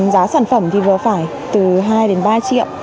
giá sản phẩm thì vừa phải từ hai đến ba triệu